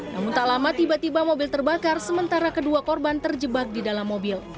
namun tak lama tiba tiba mobil terbakar sementara kedua korban terjebak di dalam mobil